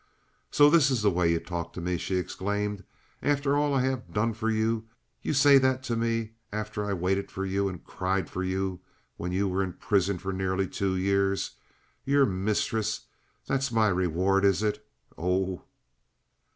"So this is the way you talk to me," she exclaimed, "after all I have done for you! You say that to me after I waited for you and cried over you when you were in prison for nearly two years? Your mistress! That's my reward, is it? Oh!"